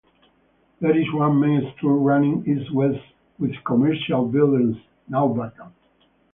There is one main street running east-west with commercial buildings, now vacant.